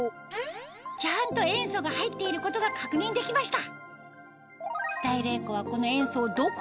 ちゃんと塩素が入っていることが確認できました